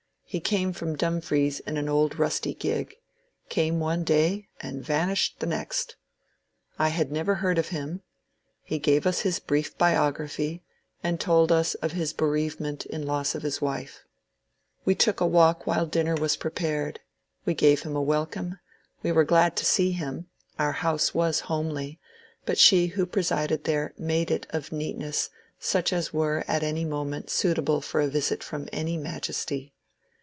He came from Dumfries in an old rusty gig ; came one day and vanished the next. I had never heard of him ; he gave us his brief biography, and told us of his bereavement in loss of his wife. We took a walk while dinner was pre pared. We gave him a welcome ; we were glad to see him ; our house was homely, but she who presided there made it of neatness such as were at any moment suitable for a visit from any majesty.